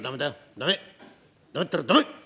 駄目ったら駄目！」。